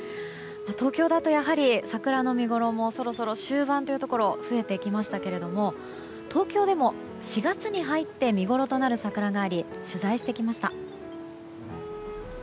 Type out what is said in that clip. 東京だとやはり桜の見ごろもそろそろ終盤というところ増えてきましたが、東京でも４月に入って見ごろとなる桜があり取材してきました。